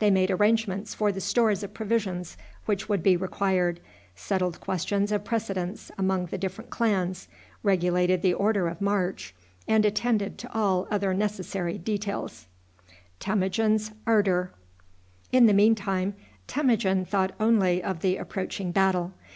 They made arrangements for the stores of provisions which would be required, settled questions of precedence among the different clans, regulated the order of march, and attended to all other necessary details. In the mean time, Temujin thought only of the approaching battle.